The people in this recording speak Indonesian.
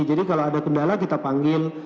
jadi kalau ada kendala kita panggil